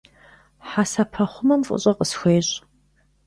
Хьэсэпэхъумэм фӏыщӏэ къысхуещӏ.